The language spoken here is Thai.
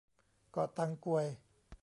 เกาะตังกวย